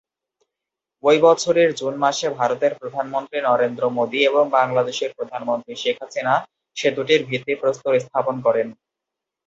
ঐ বছরের জুন মাসে ভারতের প্রধানমন্ত্রী নরেন্দ্র মোদী এবং বাংলাদেশের প্রধানমন্ত্রী শেখ হাসিনা সেতুটির ভিত্তিপ্রস্তর স্থাপন করেন।